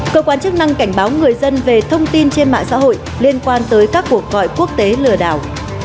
cơ quan chức năng cảnh báo người dân về thông tin trên mạng xã hội liên quan tới các cuộc gọi quốc tế lừa đảo